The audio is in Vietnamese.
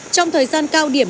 trong thời gian cao điểm